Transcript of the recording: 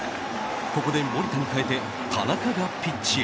ここで守田に代えて田中がピッチへ。